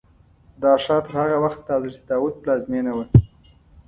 دا ښار تر هغه وخته د حضرت داود پلازمینه وه.